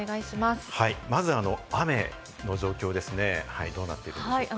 まず雨の状況ですね、どうなっているんでしょうか？